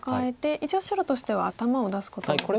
一応白としては頭を出すことができました。